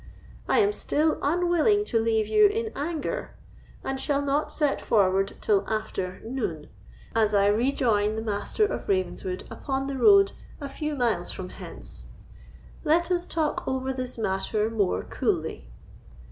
I am still unwilling to leave you in anger, and shall not set forward till after noon, as I rejoin the Master of Ravenswood upon the road a few miles from hence. Let us talk over this matter more coolly."